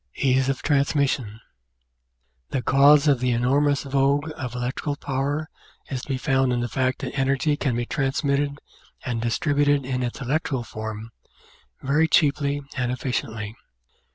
Ease of Transmission The cause of the enormous vogue of electrical power is to be found in the fact that energy can be transmitted and distributed in its electrical form very cheaply and efficiently.